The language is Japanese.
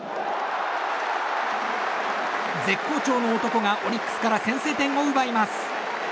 絶好調の男がオリックスから先制点を奪います。